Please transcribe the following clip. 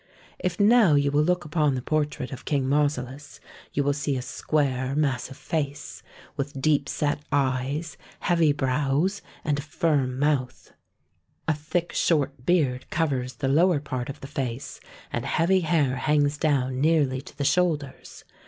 If now you will look upon the portrait of King Mausolus, you will see a square massive face, with deep set eyes, heavy brows, and a firm mouth. A thick short beard covers the lower part of the face, and heavy hair hangs down nearly to the shoulders.